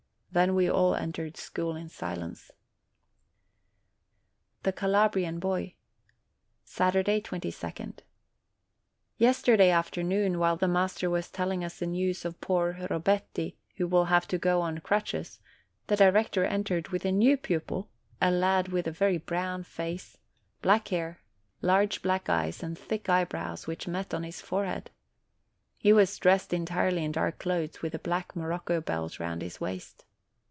Then we all entered school in silence. THE CALABRIAN BOY Saturday, 22d. Yesterday afternoon, while the master was telling us the news of poor Robetti, who will have to go on crutches, the director entered with a new pupil, a lad with a very brown face, black hair, large black eyes, 8 OCTOBER and thick eyebrows which met on his forehead: he was dressed entirely in dark clothes, with a black morocco belt round his waist.